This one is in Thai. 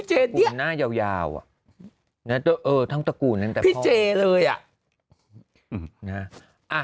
หน้ายาวอ่ะทั้งตระกูลเจเลยอ่ะ